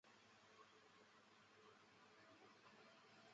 这部车最大的特征就是机械结构与引擎的置放位子。